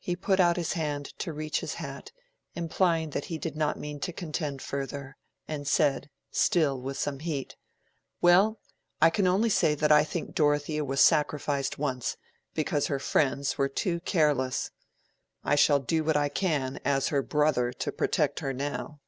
He put out his hand to reach his hat, implying that he did not mean to contend further, and said, still with some heat— "Well, I can only say that I think Dorothea was sacrificed once, because her friends were too careless. I shall do what I can, as her brother, to protect her now."